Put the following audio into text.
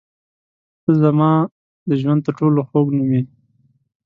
• ته زما د ژوند تر ټولو خوږ نوم یې.